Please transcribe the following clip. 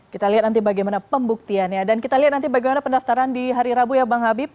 kita lihat nanti bagaimana pembuktiannya dan kita lihat nanti bagaimana pendaftaran di hari rabu ya bang habib